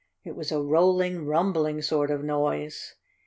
It was a rolling, rumbling sort of noise.